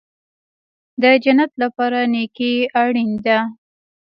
د جنت لپاره نیکي اړین ده